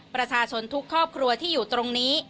ประชาชนทุกครอบครัวที่อยู่ตรงนี้